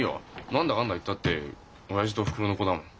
何だかんだ言ったって親父とおふくろの子だもん。